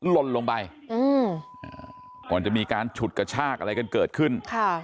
ลนลงไปก่อนจะมีการฉุดกระชากอะไรกันเกิดขึ้น